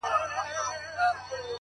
بوډا وویل پیسو ته نه ژړېږم.!